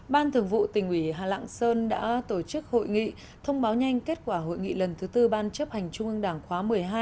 ban thường vụ tỉnh ủy hà sơn đã tổ chức hội nghị thông báo nhanh kết quả hội nghị lần thứ tư ban chấp hành trung ương đảng khóa một mươi hai